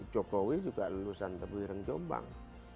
jokowi juga lulusan tebuireng jombang